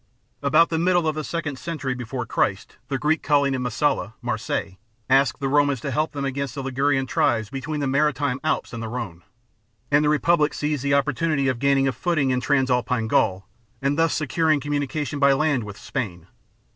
About the middle of the second century before Christ the Greek colony of Massilia (Marseilles) asked the Romans to help them against the Ligurian tribes between the Maritime Alps and the Rhone ; and the republic seized the oppor tunity of gaining a footing in Transalpine Gaul and thus securing communication by land with Spain.